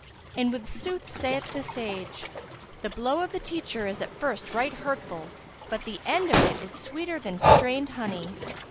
And with sooth saith the sage, 'The blow of the teacher is at first right hurtful, but the end of it is sweeter than strained honey.'"